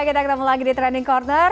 kita ketemu lagi di training corner